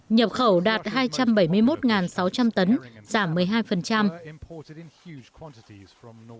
nhập khẩu đạt hai trăm bảy mươi một sáu trăm linh tấn